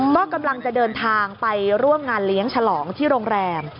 ก็กำลังจะเดินทางไปร่วมงานเลี้ยงฉลองที่โรงแรม